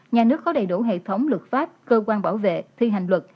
nhà nước có đầy đủ hệ thống luật pháp cơ quan bảo vệ thi hành luật